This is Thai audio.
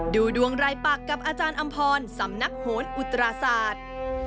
ดูดวงรายปักกับอาจารย์อำพรสำนักโหนอุตราศาสตร์